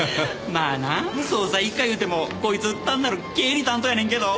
まあな捜査一課いうてもこいつ単なる経理担当やねんけど。